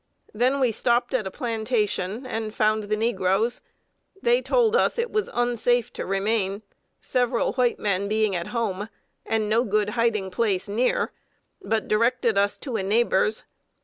Then we stopped at a plantation, and found the negroes. They told us it was unsafe to remain, several white men being at home, and no good hiding place near, but directed us to a neighbor's.